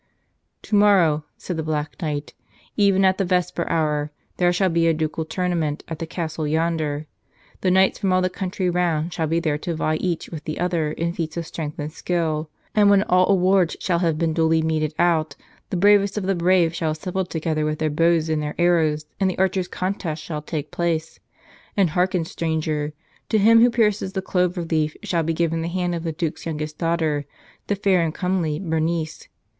"Tomorrow," said the Black Knight, "even at the vesper hour, there shall be a ducal tournament at the Castle yonder. The knights from all the country round shall be there to vie each with the other in feats of strength and skill. And when all awards shall have been duly meted out the bravest of the brave shall assemble together with their bows and their arrows, and the archers' contest shall take place. And hearken, stranger, — to him who pierces the clover leaf shall be given the hand of the Duke's youngest daughter, the fair and comely Bernice.